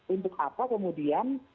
untuk apa kemudian